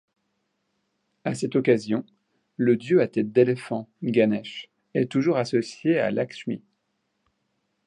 À cette occasion, le dieu à tête d'éléphant, Ganesh, est toujours associé à Lakshmi.